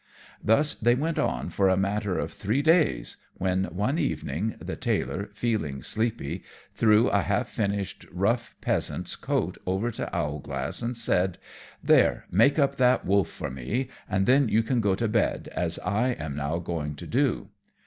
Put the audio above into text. Thus they went on for a matter of three days, when, one evening, the Tailor, feeling sleepy, threw a half finished rough peasant's coat over to Owlglass, and said, "There, make up that wolf for me, and then you can go to bed, as I am now going to do."